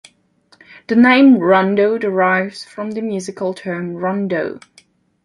The name Rondo derives from the musical term Rondo.